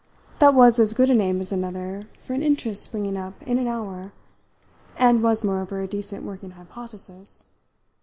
That was as good a name as another for an interest springing up in an hour, and was moreover a decent working hypothesis.